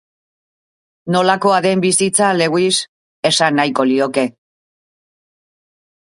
Nolakoa den bizitza, Lewis, esan nahiko lioke.